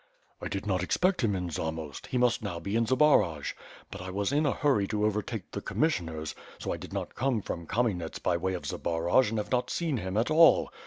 "I did not expect him in Zamost, he must now be in Zbaraj. But I was in a hurry to overtake the commissioners, so I did not come from Kamenets by way of Zbaraj and have not seen him at all.